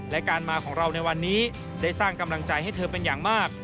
และการมาของเราในวันนี้ได้สร้างกำลังใจให้เธอเป็นอย่างมาก